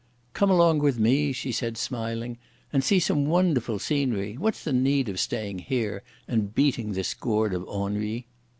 "Come along with me," she said smiling, "and see some wonderful scenery. What's the need of staying here and beating this gourd of ennui?"